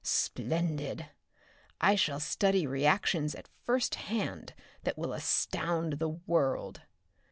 Splendid! I shall study reactions at first hand that will astound the world!